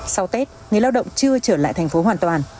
sau tết người lao động chưa trở lại thành phố hoàn toàn